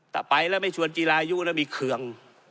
ถ้าไปแล้วไม่ชวนจีรายุแล้วมีเคือง